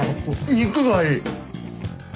肉がいい！